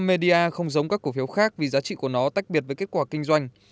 trump media không giống các cổ phiếu khác vì giá trị của nó tách biệt với kết quả kinh doanh